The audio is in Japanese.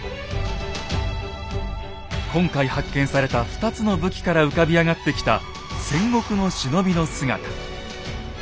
今回発見された２つの武器から浮かび上がってきた戦国の忍びの姿。